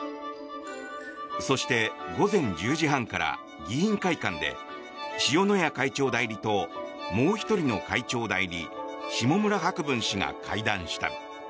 そして、午前１０時半から議員会館で塩谷会長代理ともう１人の会長代理下村博文氏が会談した。